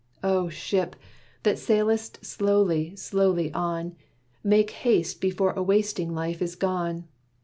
"O, ship, that sailest slowly, slowly on, Make haste before a wasting life is gone!